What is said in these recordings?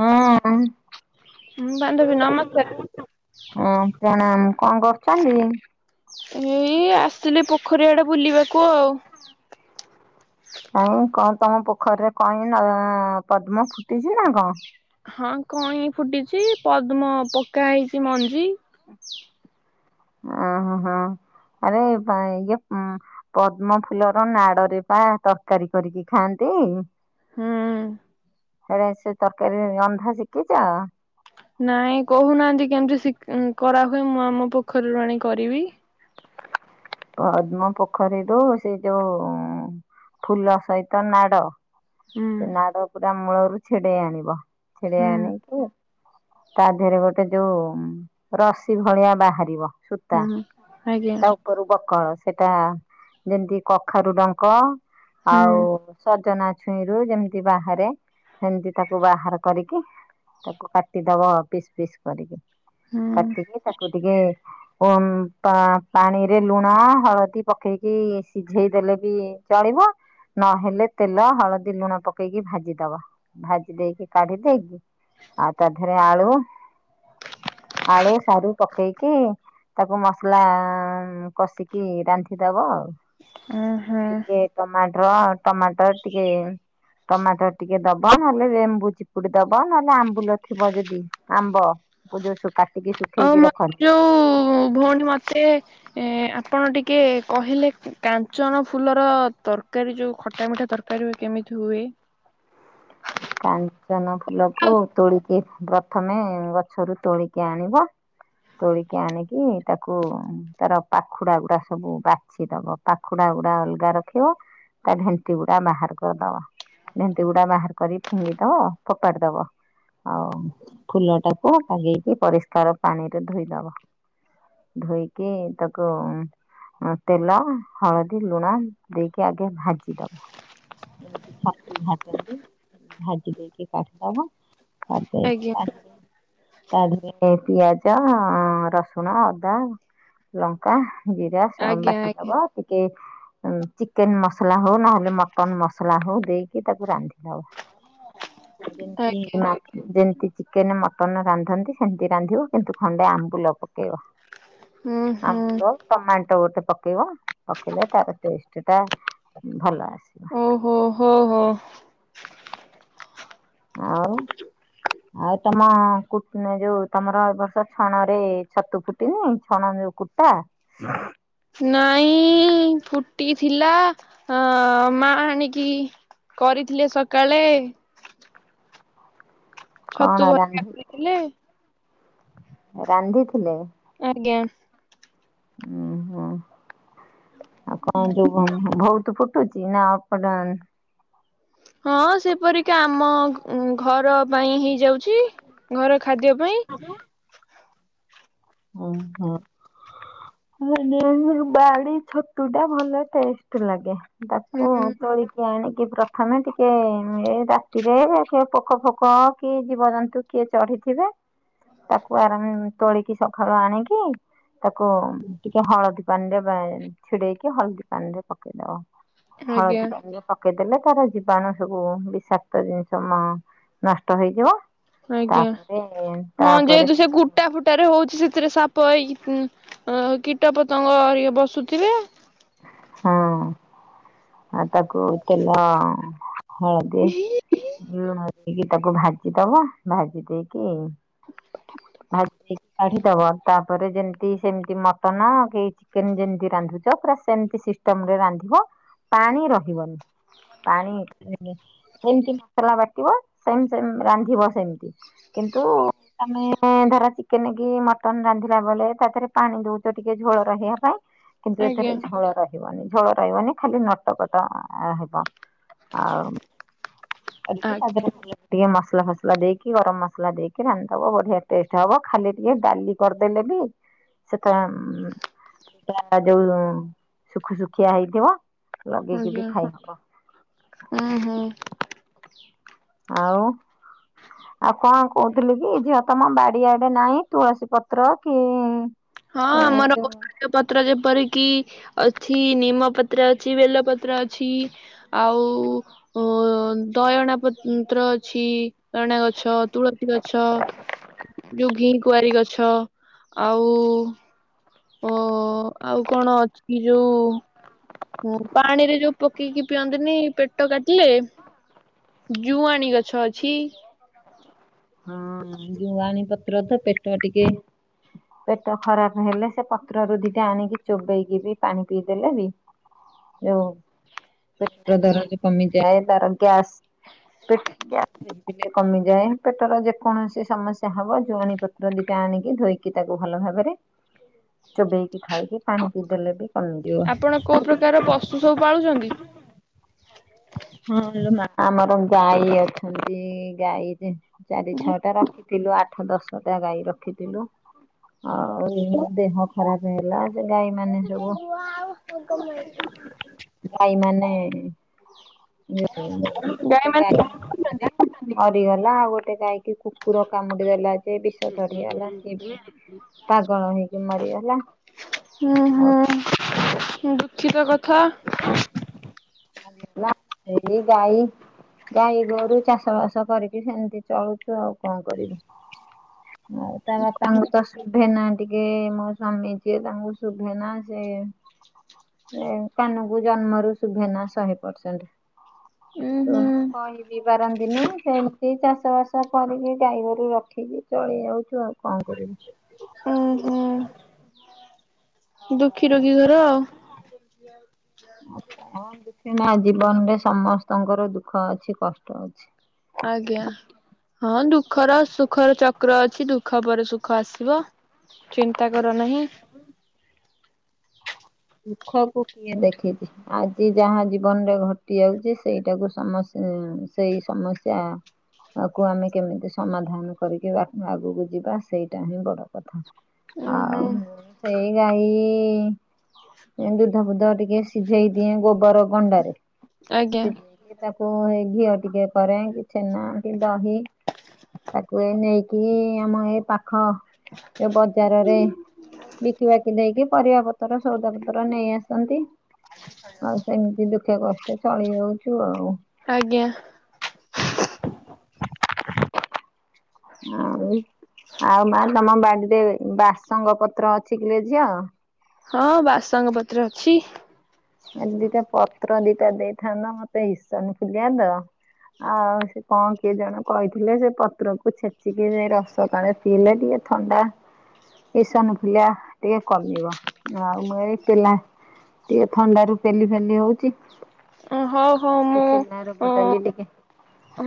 ହଁ। ହୁଁ ବାନ୍ଧବୀ ନମସ୍କାର ହଁ ପ୍ରଣାମ କଣ କରୁଛନ୍ତି? ଏଇ ଆସିଲି ପୋଖରୀଆଡେ ବୁଲିବାକୁ ଆଉ ଆଉ କଣ ତମ ପୋଖରୀରେ କଈଁ ପଦ୍ମ ଫୁଟିଛି ନା କଣ ହଁ କଇଁ ଫୁଟିଛି ପଦ୍ମ ପକା ହେଇଛି ମଞ୍ଜି ହଁ ହଁ ହଁ। ଆରେ ଇଏ ପଦ୍ମ ଫୁଲର ନାଡରେ ବା ତରକାରୀ କରିକି ଖାଆନ୍ତି। ହଁ। ହୁଁ। ସେଡ ସେ ତରକାରୀ ରନ୍ଧା ଶିଖିଛ ନାଇଁ କହୁନାହାନ୍ତି, କେମିତି ସିଖ୍ କରାହୁୁଏ, ମୁଁ ଆମ ପୋଖରୀରୁ ଆଣି କରିବି ପଦ୍ମ ପୋଖରୀରୁୁ ସେ ଯୋଉ ଫୁଲ ସହିତ ନାଡ ହୁଁ ସେ ନାଡ ପୁରା ମୂଳରୁ ଛିଡେଇ ଆଣିବ, ଛେଡେଇ ହୁଁ ଆଣିକି ତା ଦେହରେ ଗୋଟେ ଯୋଉ ରଶି ଭଳିଆ ବାହାରିବ ସୂତା ହଁ ଆଞା। ତା ଉପରୁ ବକଳ ସେଟା ଯେମିତି କଖାରୁ ଡଙ୍କ ହୁଁ ଆଉ ସଜନା ଛୁଇଁରୁ ଯେମିତି ବାହାରେ ସେମିତି ତାକୁ ବାହାର କରିକି, ତାକୁ କାଟିଦବ ପିସ୍ ପିସ୍ କରିକି, ହୁଁ କାଟିକି ତାକୁ ଟିକେ ପାଣି ରେ ଲୁଣ ହଳଦୀ ପକେଇକି, ସିଝେଇ ଦେଲେ ବି ଚଳିବ ନହେଲେ ତେଲ ହଳଦୀ ଲୁଣ ପକେଇକି ଭାଜି ଦବ, ଭାଜି ଦେଇକି କାଢି ଦେଇକି ଆଉ ତାଧେରେ ଆଳୁ, ଆଳୁ ସାରୁ ପକେଇକି, ତାକୁ ମସଲା କଷିକି ରାନ୍ଧିଦବ ଆଉ ଓହୋ। ଟିକେ ଟମାଟର ଟମାଟର ଟିକେ ଟମାଟର ଟିକେ ଦବ ନହେଲେ ଲେମ୍ବୁ ଚିପୁଡି ଦବ ନହେଲେ ଆମ୍ବୁ ଲଥିବ, ଯଦି ଆମ୍ବ ପ ଯଉ ଆଉ ମୋ ଯୋଉ ଭଉଣୀ ମତେ ଏ ଆପଣ ଟିକେ କହିଲେ କାଞ୍ଚନ ଫୁଲର ତରକାରୀ ଯୋଉ ଖଟା ମିଠା ତରକାରୀ। କେମିତି ହୁଏ? କାଞ୍ଚନ ଫୁଲକୁ ତୋଳିକି ପ୍ରଥମେ ଗଛରୁ ତୋଳିକି ଆଣିବ। ତୋଳିକି ଆଣିକି ତାକୁ ତାର ପାଖୁଡା ଗୁଡା ସବୁ ବାଛି ଦବ ପାଖୁଡା ଅଲଗା ରଖିବ ତା ଢେଣ୍ଟି ଗୁଡା ବାହାର କରିଦବା ଭେଣ୍ଟି ଗୁଡା ବାହାର କରି ଫିଙ୍ଗିଦବ ପକଦବ ଆଉ ଫୁଲ ଟାକୁ ଲଗେଇକି ପରିଷ୍କାର ପାଣିରେ ଧୋଇଦବା। ଧୋଇକି ତାକୁ ତେଲ ହଳଦୀ ଲୁଣ ଦେଇକି ଆଗେ ଭାଜି ଦବ ହାତି ଭାଜି ଦେଇକି କାଟିଦବ କାଟି ଦେଇକି ଆଜ୍ଞା ତା ଦେହରେ ପିଆଜ ରସୁଣ ଅଦା ଲଙ୍କା ଜିରା ଆଜ୍ଞା ବାକି ଆଜ୍ଞା ହବ ଟିକେ ଚିକେନ ମସଲା ହଉ ନହେଲେ ମଟନ ମସଲା ହଉ ଦେଇକି ତାକୁ ରାନ୍ଧି ମତି ଆଜ୍ଞା। ଯେମତି ଚିକେନ ମଟନ ରାନ୍ଧନ୍ତି ସେମତି ରାନ୍ଧିବ କିନ୍ତୁ ଖଣ୍ଡେ ଆମ୍ବୁଲ ପକେଇବ ହୁଁ ହୁଁ ଆମ୍ବୁଲ ଟମାଟୋ ଗୋଟେ ପକେଇବା ପକେଇଲେ ତାର ଟେଷ୍ଟ ଟା ଭଲ ଅ ଓହୋ ହୋ ହୋ। ଆଉ, ଆଉ ତମ କୁଟୁ ଏ ଯୋଉ ତମର ଏ ବର୍ଷ ଛାଣରେ ଛତୁ ଫୁଟିନି ଛାଣ ଯୋଉ କୁଟା ନାଇଁ ଫୁଟିଥିଲା ମା ଆଣିକି କରିଥିଲେ ସକାଳେ କଣ ଛତୁ ଭଜା ରାନ୍ଧି କରିଥିଲେ। ରାନ୍ଧିଥିଲେ? ଆଜ୍ଞା ଉଁ ହୁଁ ଆଉ କଣ? ବହୁତ ଫୁଟୁଚି ନା ଅପ ଡା ହଁ ସେପରିକା ଆମ ଘର ପାଇଁ ହେଇଯାଉଚି। ଘର ଖାଦ୍ୟ ପା ଆ ଓଁ ହଁ। ବାଡି ଛତୁ ଟା ଭଲ ଟେଷ୍ଟ ଲାଗେ। ତାକୁ ହୁଁ ତୋଳିକି ଆଣି କି ପ୍ରଥମେ ଟିକେ ଏ ରାତିରେ ସେ ପୋକ ଫୋକ କି ଜୀବଜନ୍ତୁ କିଏ ଚଢ଼ି ଥିବେ ତାକୁ ଆରାମ ତୋଳିକି ସକାଳୁ ଆଣିକି ତାକୁ ଟିକେ ହଳଦୀ ପାଣି ରେ ବା ଛିଡେଇକି, ହଳଦୀ ପାଣି ରେ ପକେଇଦବ। ଆଜ୍ଞା ହଳଦୀ ପାଣି ରେ ପକେଇଦେଲେ ତାର ଜୀବାଣୁ ସବୁ ବିଶାକ୍ତ ଜିନିଷ ମ ନଷ୍ଟ ହେଇଯିବ। ଆଜ୍ଞା ତାପରେ ହଁ ତାପରେ ଯେହେତୁ ସେ କୁଟା ଫୁଟାରେ ହଉଚି ସେଥିରେ ସାପ ଏଇ କୀଟ ପତଙ୍ଗ ଘରିକା ବସୁଥିବେ। ହଁ ଆ ତାକୁ ତେଲ ହଳଦୀ ଲୁଣ ଦେଇକି ତାକୁ ଭାଜି ଦବା ଭାଜି ଦେଇକି କି ଭା କାଢ଼ିଦବ ତାପରେ ଯେମିତି ସେମିତି ମଟନ କି ଚିକେନ ଯେମତି ରାନ୍ଧୁଛ ପୁରା ସେମିତି ସିଷ୍ଟମରେ ରାନ୍ଧିବ ପାଣି ରହିବନି। ପାଣି ସେମିତି ମସଲା ବାଟିବ ସେମ ସେମ ରାନ୍ଧିବ ସେମତି। କିନ୍ତୁ ତମେ ଧର ଚିକେନ କି ମଟନ ରାନ୍ଧିଲା ବେଳେ ତା ଦେହରେ ପାଣି ଦଉଚ ଟିକେ ଝୋଳ ରହିବା ପାଇଁ କିନ୍ତୁ ଆଜ୍ଞା ଏଥିରେ ଝୋଳ ରହିବନି ଝୋଳ ରହିବନି ଖାଲି ନଟକଟ ହେବ। ଆଉ କରିକି ତା ଆଜ୍ଞା ଦେହରେ ଭଲକି ଟିକେ ମସ ସଲା ଫସଲା ଦେଇକି ଗରମ ମସଲା ଦେଇକି ରାନ୍ଧିଦବ ବଢିଆ ଟେଷ୍ଟ ହବ। ଖାଲି ଟିକେ ଡାଲି କରିଦେଲେ ବି ସେଟା ସେଟା ଯୋଉ ସୁଖୁ ଶୁଖିଆ ହେଇଥିବ ଲଗେଇକି ବି ଆଜ୍ଞା ଖାଇହବ। ଉଁ ହୁଁ ଆଉ ଆଉ କଣ କହୁଥିଲି କି ଝିଅ ତମ ବାଡିଆଡେ ନାଇଁ ତୁଳସୀ ପତ୍ର କି ହଁ ଆମର ଯୋଉ ଔଷଧୀୟ ପତ୍ର ଯେପରିକି ଅଛି ନିମପତ୍ର ଅଛି, ବେଲ ପତ୍ର ଅଛି ଆଉ ଉ ଦୟଣା ପନ୍ତ୍ର ଅଛି। ଦୟଣା ଗଛ, ତୁଳସୀ ଗଛ ଯୋଉ ଘିଁ କୁଆରୀ ଗଛ ଆଉ ଓ ଆଉ କଣ ଅଛି କି ଯୋଉ ହୁଁ ପାଣିରେ ଯୋଉ ପକେଇକି ପିଅନ୍ତିନି ପେଟ କାଟିଲେ ଜୁଆଣୀ ଗଛ ଅଛି। ହଁ ଜୁଆଣି ପତ୍ର ତ ପେଟ ଟିକେ ପେଟ ଖରାପ ହେଲେ ସେ ପତ୍ର ରୁ ଦିଟା ଆଣିକି ଚୋବେଇକି ବି ପାଣି ପିଇଦେଲେ ବି ଯୋଉ ପେଟ ଦରଜ କମିଯାଏ ତାର ଗ୍ୟାସ୍ ପେଟ ଗ୍ୟାସ ହେଇଥିଲେ କମିଯାଏ। ପେଟର ଯେକୌଣସି ସମସ୍ୟା ହବ ଜୁଆଣି ପତ୍ର ଦିଟା ଆଣିକି ଧୋଇକି ତାକୁ ଭଲ ଭାବରେ [inaudible] ଚୋବେଇକି ଖାଇକି ପାଣି ପିଇଦେଲେ ବି ଆପଣ କମିଯିବ। ହଉ। ହଁ ଲୋ ମା ଆମର ଗାଈ ଅଛନ୍ତି। ଗାଈ ଚାରି ଛଅଟା ରଖି ଥିଲୁ ଆଠ ଦଶଟା ଗାଈ ରଖିଥିଲୁ। ଆଉ ଦେହ ଖରାପ ହେଲା ସେ ଗାଈ ମାନେ ସବୁ ଗାଈ ମାନେ [unintelligible] ଗୋଟେ ଗାଈ ମରିଗଲା ଆଉ ଗୋଟେ ଗାଈ କି କୁକୁର କାମୁଡିଗଲା ଯେ ବିଷ ଚଢ଼ିଗଲା ସିଏ ବି ପାଗଳ ହେଇକି ମରିଗଲା। ହୁଁ ଆଉ ହୁଁ ଦୁଃଖିତ କଥା ହ ଆରେ ନା ସେଇ ଗାଈ ଗାଈ ଗୋରୁ ଚାଷ ବାସ କରିକି ସେମିତି ଚଳୁଛୁ ଆଉ କଣ କରିବୁ। ଆଉ ତା ବାପାଙ୍କୁ ତ ଶୁଭେନା ଟିକେ ମୋ ସ୍ଵାମୀ ଯିଏ ତାଙ୍କୁ ଶୁଭେନା ସେ କାନକୁ ଜନ୍ମରୁ ଶୁଭେନା ଶ ଶହେ ପରସେଣ୍ଟ ଉଁ ହୁଁ କହିିବି ପାରନ୍ତି ଦିନେ ସେମତି ଚାଷ ବାସ କରିକି ଗାଈ ଗୋରୁ ରଖିକି ଚଳି ଯାଉଚୁ ଆଉ କଣ କରିବୁ। ଉଁ ହୁଁ। ଦୁଃଖୀ ରୋଗୀ ଘର ଆଉ। ହଁ ଦୁଃଖୀ ମା ଜୀବନରେ ସମସ୍ତଙ୍କର ଦୁଃଖ ଅଛି କଷ୍ଟ ଅଛି। ଆଜ୍ଞା। ହଁ ଦୁଃଖର ସୁଖର ଚକ୍ର ଅଛି ଦୁଃଖ ପରେ ସୁଖ ଆସିବ ଚିନ୍ତା କର ନାହିଁ। ଦୁଃଖକୁ କିଏ ଦେଖିଛି ଆଜି ଯାହା ଜୀବନରେ ଘଟି ଯାଉଛି ସେଇଟାକୁ ସମସ୍ତେ ହଁ ସେଇ ସମସ୍ୟା ତାକୁ ଆମେ କେମିତି ସମାଧାନ କରିକି ବା ଆଗକୁ ଯିବା ସେଇଟା ହିଁ ବଡ କଥା। ଉଁ ହୁଁ ଆଉ ସେଇ ଗାଈ ଦୁଧ ଫୁଧ ଟିକେ ସିଝେଇ ଦିଏ ଗୋବର ଗଣ୍ଡାରେ ଆଜ୍ଞା। ତାକୁ ଏଇ ଘିଅ ଟିକେ କରେ କି ଛେନା ଟିକ ଦହି ତାକୁ ଏ ନେଇକି ଆମ ଏ ପାଖ ଏ ବଜାରରେ ବିକିବାକି ଦେଇକି ପରିବା ପ୍ ର ସଉଦାପତ୍ର ନେଇ ଆସନ୍ତି ଆଉ ସେମିତି ଦୁଃଖ କ ଷ୍ଟେ ଚଳି ଯାଉଛୁ ଆଉ। ଆଜ୍ଞା। ହ ଆଉ ମା ତମ ବା ବାସଙ୍ଗ ପତ୍ର ଅଛି କିିଲ ଝିଅ? ହଁ ବାସଙ୍ଗ ପତ୍ର ଅଛି। ଏ ଦିଟେ ପତ୍ର ଦିଟା ଦେଇଥାନ୍ନ୍ତ ମତେ ହିସନ ଫୁଲିଆ ତ। ଆଉ ସେ କଣ? ସେ ଜଣ କହିଥିଲେ ସେ ପତ୍ରକୁ ଛେଚିକି ଯାଇ ରସ ପାଣି ପିଇଲେ ଟିକେ ଥଣ୍ଡା ଏସନଫୁଲିଆ ଟିକେ କମିବ ଆଉ ମୁଁ ଏଇ ପିଲା ଟିକେ ଥଣ୍ଡା ରୁ ଫେଲି ଫେଲି ହଉଛି ହଉ ହଉ ସେ ପେଲା ମୁଁ ରୋଗଟା ବି ଟିକେ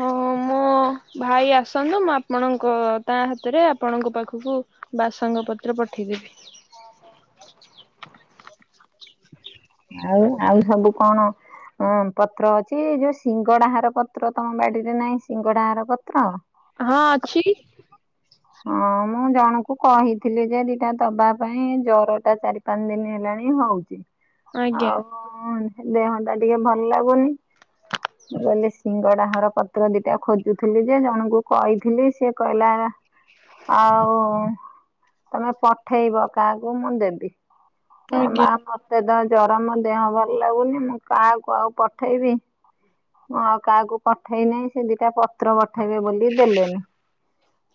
ହଁ ମୁଁ ଭାଇ ଆସନ୍ତୁ ମୁଁ ଆପଣଙ୍କ ତା ହାତରେ ଆପଣଙ୍କ ପାଖକୁ ବାସଙ୍ଗ ପତ୍ର ପଠେଇ [unintelligible] ଆଉ ଆଉ ସବୁ କଣ? ହଁ ପତ୍ର ଅଛି। ଯୋଉ ସିଙ୍ଗଡାହାର ପତ୍ର ତମ ବାଡିରେ ନାହିଁ ସିଙ୍ଗଡାହାର ପତ୍ର? ହଁ ଅଛି ହଁ ମୁଁ ଜଣଙ୍କୁ କହିଥିଲି ଯେ ଦିଟା ଦବା ପାଇଁ ଜ୍ଵର ଟା ଚାରି ପାଞ୍ଚ ଦିନ ହେଲାଣି। ହଉଛି ଆଜ୍ଞା ଆଉ ଦେହ ଟା ଟିକେ ଭଲ ଲାଗୁନି ମୁଁ କହିଲି ସିଙ୍ଗଡାହର ପତ୍ର ଦିଟା ଖୋଜୁଥିଲି ଯେ ଜଣଙ୍କୁ କହିଥିଲି ସେଏ କହିଲା ଆଉ କଣ ପଠେଇବ କାହାକୁ ମୁଁ ଦେବି। ଆ ମା ଆଜ୍ଞା ସେ ଦହ ଜର ମୋ ଦେହ ଭଲ ଲାଗୁନି ମୁଁ କାହାକୁ ଆଉ ପଠେଇବି। ମୁଁ ଆଉ କାହାକୁ ପଠେଇ ନାହି ସେ ଦିଟା ପତ୍ର ପଠେଇବେ ବୋଲି ଦେଲେନି।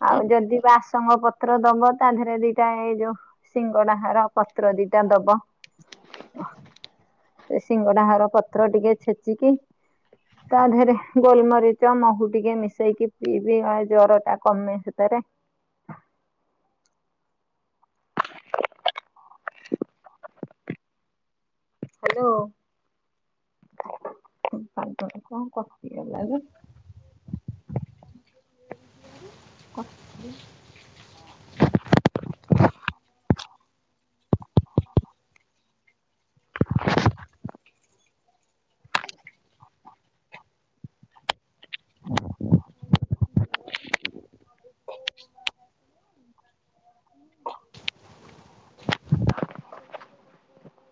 ଆଉ ଯଦି ବାସଙ୍ଗ ପ ପତ୍ର ଦବ ତା ଦେହରେ ଦିଟା ଏଇ ଯୋଉ ସିଙ୍ଗଡା ହାର ପତ୍ର ଦିଟା ଦବ। ସେ ସିଙ୍ଗଡା ହର ପତ୍ର ଟିକେ ଛେଚିକି ତା ଦେହରେ ଗୋଲମରିଚ ମହୁ ଟିକେ ମିଶେଇକି ପିଇବି ଜର ଟା କମେ ସେଥିରେ ହ ଆ ହ୍ୟାଲୋ। କଣ କଟିଗଲାବେ? କ ଆ [inaudible] ଓ ଆ ଆ